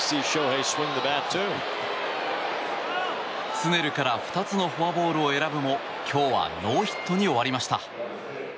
スネルから２つのフォアボールを選ぶも今日はノーヒットに終わりました。